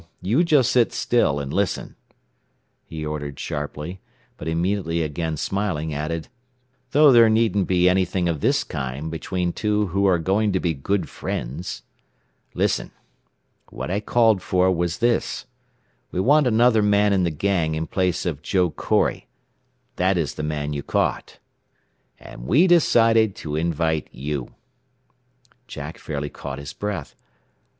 You just sit still and listen," he ordered sharply; but immediately again smiling, added, "though there needn't be anything of this kind between two who are going to be good friends. "Listen. What I called for was this: We want another man in the gang in place of Joe Corry that is the man you caught. "And we decided to invite you." Jack fairly caught his breath.